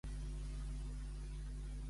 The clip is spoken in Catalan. Qui és Michael Avenatti?